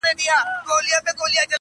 دا دغرونو لوړي څوکي -